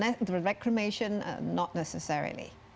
air laut datang ke jakarta